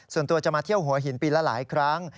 ส่วนตัวจะมาเที่ยวหัวหินปีละหลายครั้ง